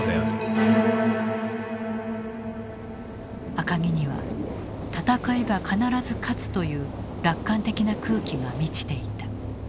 赤城には戦えば必ず勝つという楽観的な空気が満ちていた。